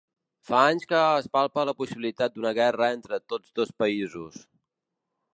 Fa anys que es palpa la possibilitat d’una guerra entre tots dos països.